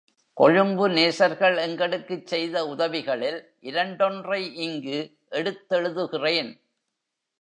கொழும்பு நேசர்கள் எங்களுக்குச் செய்த உதவிகளில் இரண்டொன்றை இங்கு எடுத்தெழுதுகிறேன்.